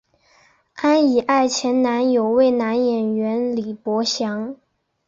安苡爱前男友为男演员李博翔。